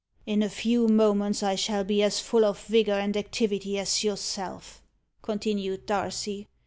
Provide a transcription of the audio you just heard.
"In a few moments I shall be as full of vigour and activity as yourself," continued Darcy.